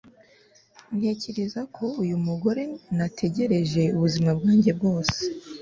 ntekereza ko uri umugore nategereje ubuzima bwanjye bwose